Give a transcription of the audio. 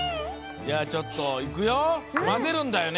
じゃあちょっといくよ！